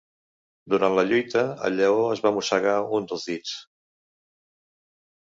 Durant la lluita, el lleó es va mossegar un dels dits.